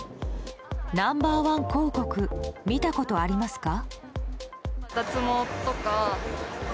ナンバー１広告見たことありますか？